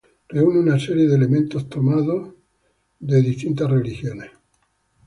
Reúne una serie de elementos tomados del cristianismo, judaísmo, zoroastrismo y cultos orientales.